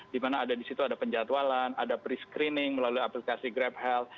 di mana ada di situ ada penjatualan ada pre screening melalui aplikasi grab health